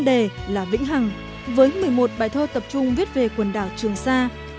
đến một mươi một bài thơ tập trung viết về quần đảo trường sa